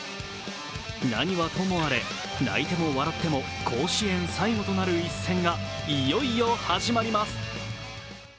何はともあれ、泣いても笑っても甲子園最後となる一戦がいよいよ始まります。